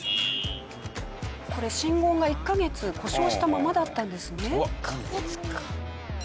これ信号が１カ月故障したままだったんですね。